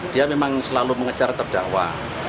dia memang selalu mengejar terdakwa